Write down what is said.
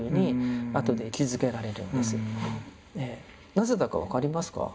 なぜだか分かりますか？